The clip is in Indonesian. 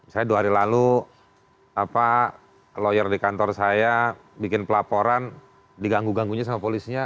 saya dua hari lalu lawyer di kantor saya bikin pelaporan diganggu ganggunya sama polisinya